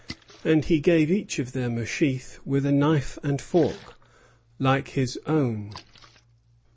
And he gave each of them a sheath, with a knife and fork, like his own.